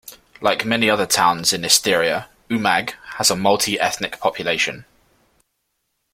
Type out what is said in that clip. Like many other towns in Istria, Umag has a multi-ethnic population.